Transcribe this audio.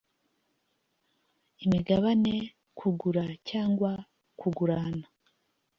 imigabane kugura cyangwa kugurana